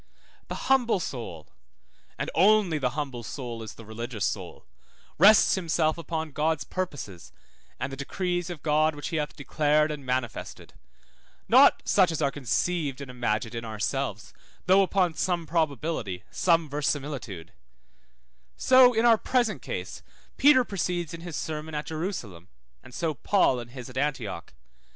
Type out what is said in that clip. The humble soul (and only the humble soul is the religious soul) rests himself upon God's purposes and the decrees of God which he hath declared and manifested, not such as are conceived and imagined in ourselves, though upon some probability, some verisimilitude; so in our present case Peter proceeds in his sermon at Jerusalem, and so Paul in his at Antioch.